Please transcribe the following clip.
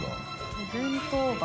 お弁当箱？